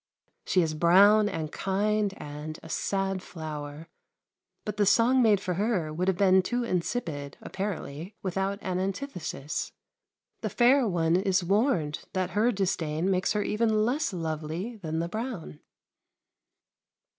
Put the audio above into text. She is brown and kind, and a "sad flower," but the song made for her would have been too insipid, apparently, without an antithesis. The fair one is warned that her disdain makes her even less lovely than the brown.